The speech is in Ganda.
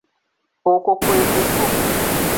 Okwo kwe kutu.